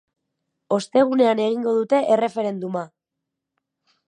Ostegunean egingo dute erreferenduma.